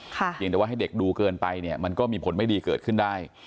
เพียงแต่ว่าให้เด็กดูเกินไปเนี่ยมันก็มีผลไม่ดีเกิดขึ้นได้